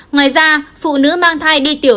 ngoài ra phụ nữ mang thai đi tiểu